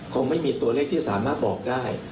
คงไม่มีตัวเลขที่สามารถบอกได้